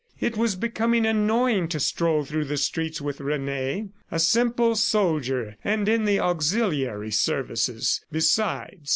It was becoming annoying to stroll through the streets with Rene, a simple soldier and in the auxiliary service, besides.